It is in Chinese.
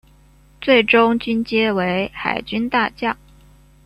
最终军阶为海军大将。